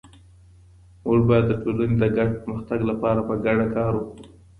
مونږ بايد د ټولني د ګډ پرمختګ لپاره په ګډه کار وکړو.